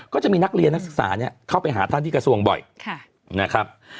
ก็จะมีนักเรียนนักศึกษาเนี่ยเข้าไปหาท่านที่กระทรวงบ่อยนะครับ